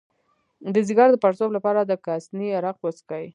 د ځیګر د پړسوب لپاره د کاسني عرق وڅښئ